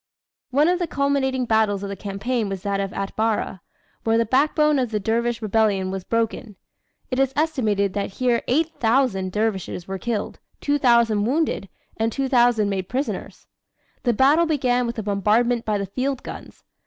One of the culminating battles of the campaign was that of Atbara, where the backbone of the dervish rebellion was broken. It is estimated that here 8,000 dervishes were killed, 2,000 wounded, and 2,000 made prisoners. The battle began with a bombardment by the field guns.